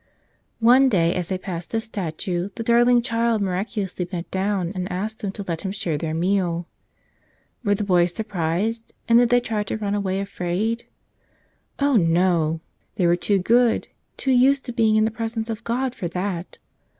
One day, as they passed this statue, the darling Child miraculously bent down and asked them to let Him share their meal. Were the boys surpised and did they try to run away afraid? No, no! They were too good, too used to being in the presence of God, for that.